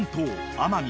奄美